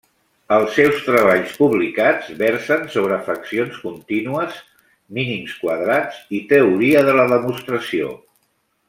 Els seus treballs publicats versen sobre fraccions contínues, mínims quadrats i teoria de la demostració.